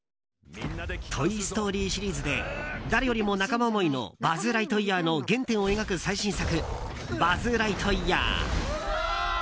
「トイ・ストーリー」シリーズで誰よりも仲間思いのバズ・ライトイヤーの原点を描く最新作「バズ・ライトイヤー」。